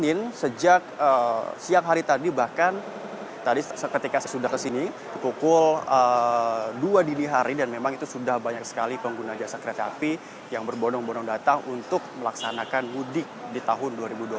dan sejak siang hari tadi bahkan ketika saya sudah ke sini kukul dua dini hari dan memang itu sudah banyak sekali pengguna jasa kereta api yang berbonong bonong datang untuk melaksanakan mudik di tahun dua ribu dua puluh tiga